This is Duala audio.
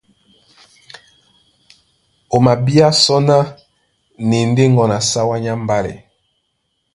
O mabíá sɔ́ ná na e ndé ŋgɔn a sáwá nyá mbálɛ.